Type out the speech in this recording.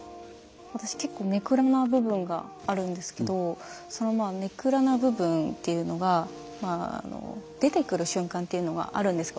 私結構根暗な部分があるんですけどその根暗な部分っていうのが出てくる瞬間っていうのがあるんですよ